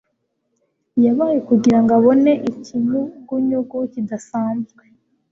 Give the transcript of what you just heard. Yabaye kugirango abone ikinyugunyugu kidasanzwe.